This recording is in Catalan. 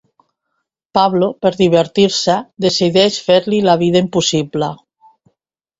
Pablo per divertir-se, decideix fer-li la vida impossible.